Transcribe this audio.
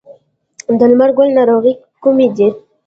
د لمر ګل ناروغۍ کومې دي؟